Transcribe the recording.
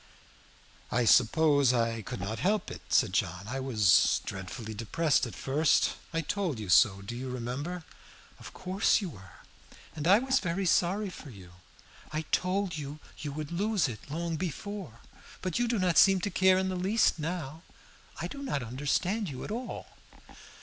"I suppose I could not help it," said John. "I was dreadfully depressed at first. I told you so, do you remember?" "Of course you were, and I was very sorry for you. I told you you would lose it, long before, but you do not seem to care in the least now. I do not understand you at all."